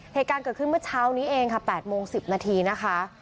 เหตุการณ์เกิดขึ้นเมื่อเช้านี้เองค่ะ๘โมง๑๐นาทีนะคะ